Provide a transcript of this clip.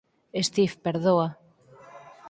Steve, perdoa.